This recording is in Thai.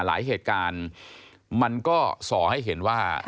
หลายเหตุการณ์มันก็ส่อให้เห็นว่า